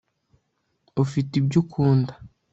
ufite ibyo ukunda